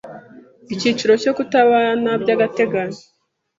Icyiciro cya Kutabana by agateganyo